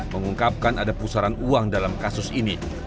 mengungkapkan ada pusaran uang dalam kasus ini